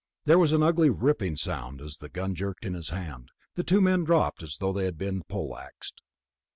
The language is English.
There was an ugly ripping sound as the gun jerked in his hand. The two men dropped as though they had been pole axed.